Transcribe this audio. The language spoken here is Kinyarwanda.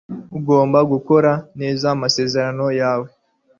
Ugomba gukora neza amasezerano yawe.